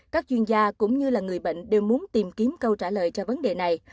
các chuyên gia cũng như là người bệnh đều muốn tìm kiếm câu trả lời cho vấn đề này